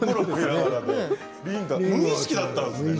無意識だったんですね。